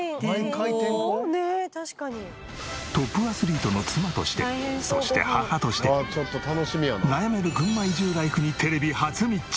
トップアスリートの妻としてそして母として悩める群馬移住ライフにテレビ初密着。